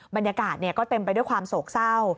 บรรยากาศก็เต็มไปด้วยความโศกเศร้า